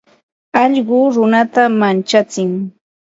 Alluqu runata manchatsin.